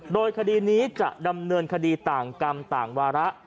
โดยคดีนี้จะดำเนินคดีต่างกรรมต่างวาระ